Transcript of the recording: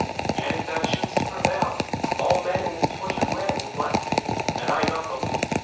Yet if thou shouldst prevail, all men in this tortured land will bless thee, and I not the least.